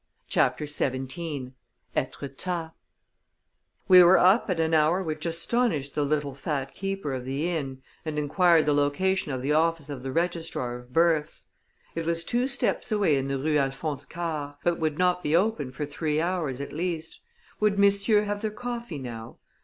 CHAPTER XVII Etretat We were up at an hour which astonished the little fat keeper of the inn, and inquired the location of the office of the registrar of births. It was two steps away in the Rue Alphonse Karr, but would not be open for three hours, at least. Would messieurs have their coffee now?